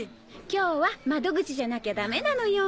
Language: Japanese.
今日は窓口じゃなきゃダメなのよ。